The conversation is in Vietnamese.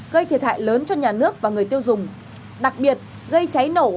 gây thiệt hại lớn cho nhà nước và người tiêu dùng đặc biệt gây cháy nổ